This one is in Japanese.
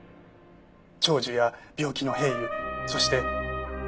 長寿や病気の平癒そして平和。